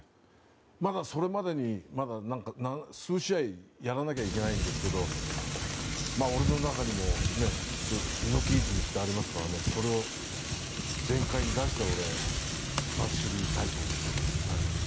まだそれまでに数試合やらなきゃいけないんですけど俺の中にも、きっと猪木イズムってありますからそれを全開に出して突っ走りたいと思っております。